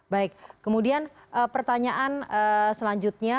baik kemudian pertanyaan selanjutnya